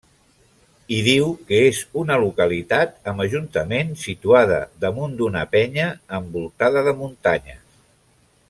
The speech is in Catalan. Hi diu que és una localitat amb ajuntament situada damunt d'una penya, envoltada de muntanyes.